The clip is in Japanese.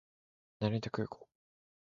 成田空港